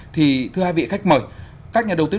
thì thưa hai vị khách mời các nhà đầu tư